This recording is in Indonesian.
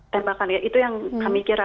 tembakan ya itu yang kami kira